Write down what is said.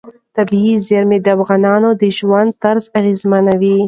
طبیعي زیرمې د افغانانو د ژوند طرز اغېزمنوي.